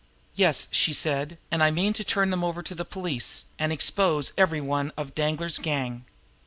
"Yes," she said. "And I mean to turn them over to the police, and expose every one of Danglar's gang.